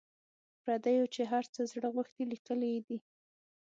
پردیو چي هر څه زړه غوښتي لیکلي دي.